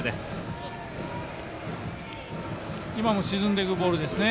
沈んでいくボールですね。